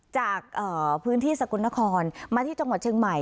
จากพื้นที่สกลนครมาที่จังหวัดเชียงใหม่